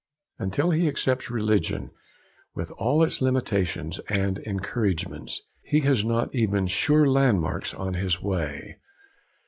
Until he accepts religion, with all its limitations and encouragements, he has not even sure landmarks on his way.